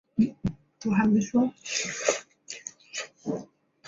蒋庆均人。